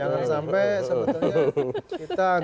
jangan sampai sebetulnya kita agak dipolitisikan